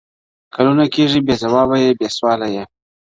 کلونه کیږي بې ځوابه یې بې سواله یې~